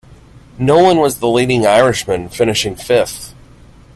Nolan was the leading Irishman, finishing fifth.